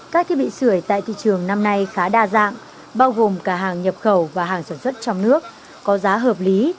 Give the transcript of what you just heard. các thiết bị sửa tại thị trường năm nay khá đa dạng bao gồm cả hàng nhập khẩu và hàng sản xuất trong nước có giá hợp lý